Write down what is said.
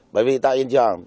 bởi vì tại hiện trường